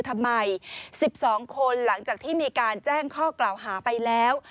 ๑๒คนหลังจากที่มีการแจ้งข้อกล่าวหาไปแล้ว